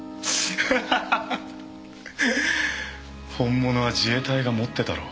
本物は自衛隊が持ってたろ？